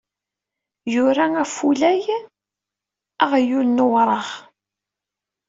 Yura Afulay Aɣyul n wureɣ.